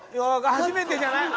初めてじゃない？